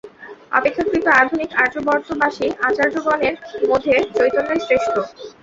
অপেক্ষাকৃত আধুনিক আর্যাবর্তবাসী আচার্যগণের মধ্যে চৈতন্যই শ্রেষ্ঠ।